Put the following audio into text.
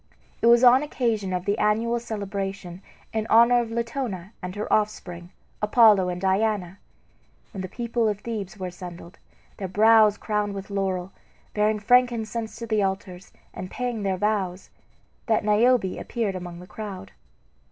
It was on occasion of the annual celebration in honor of Latona and her offspring, Apollo and Diana, when the people of Thebes were assembled, their brows crowned with laurel, bearing frankincense to the altars and paying their vows, that Niobe appeared among the crowd.